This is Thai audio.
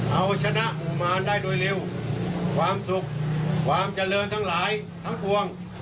เอาชนะหมู่มารได้โดยเร็วความสุขความเจริญทั้งหลายทั้งปวง